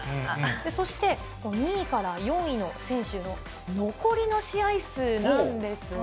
そして、２位から４位の選手の残りの試合数なんですが、